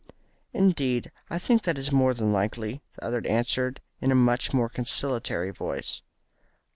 "Indeed, I think that it is more than likely," the other answered, in a much more conciliatory voice.